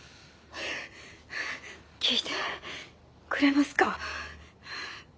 聞いてくれますか？